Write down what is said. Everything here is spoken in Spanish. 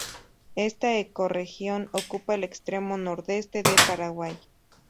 Esta ecorregión ocupa el extremo nordeste del Paraguay.